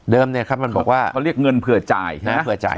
เนี่ยครับมันบอกว่าเขาเรียกเงินเผื่อจ่ายใช่ไหมเผื่อจ่าย